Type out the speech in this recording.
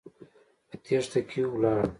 په تېښته کې ولاړ.